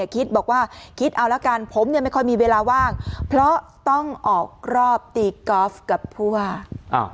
คิดบอกว่าคิดเอาละกันผมเนี่ยไม่ค่อยมีเวลาว่างเพราะต้องออกรอบตีกอล์ฟกับผู้ว่า